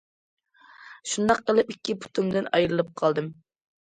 شۇنداق قىلىپ ئىككى پۇتۇمدىن ئايرىلىپ قالدىم.